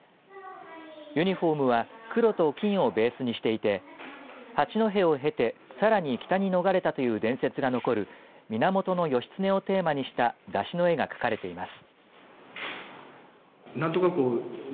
ユニフォームは黒と金をベースにしていて八戸を経てさらに北に逃れたという伝説が残る源義経をテーマにした山車の絵が描かれています。